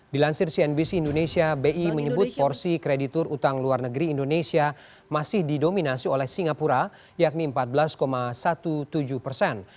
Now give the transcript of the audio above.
dilansir cnbc indonesia bi menyebut porsi kreditur utang luar negeri indonesia masih didominasi oleh singapura yakni empat belas tujuh belas persen